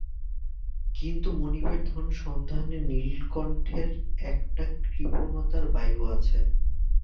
কিন্তু, মনিবের ধন সম্বন্ধে নীলকণ্ঠের একটা কৃপণতার বায়ু আছে।